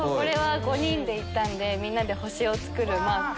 ５人で行ったんでみんなで星を作るマーク。